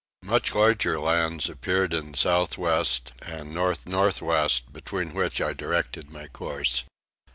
Much larger lands appeared in the south west and north north west, between which I directed my course.